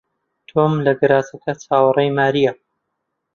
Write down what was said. تۆم لە گەراجەکە چاوەڕێی مارییە.